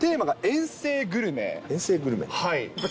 遠征グルメ？